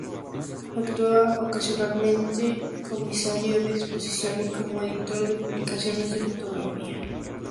Actúa ocasionalmente como comisario de exposiciones y como editor de publicaciones de fotografía.